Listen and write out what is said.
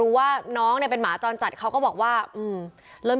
คือตอนนั้นหมากกว่าอะไรอย่างเงี้ย